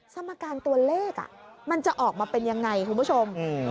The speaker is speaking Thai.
สมการตัวเลขมันจะออกมาเป็นยังไงคุณผู้ชม